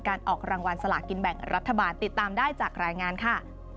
ออกรางวัลสลากินแบ่งรัฐบาลติดตามได้จากรายงานค่ะ